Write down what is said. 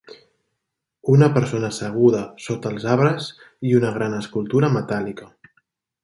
Una persona asseguda sota els arbres i una gran escultura metàl·lica.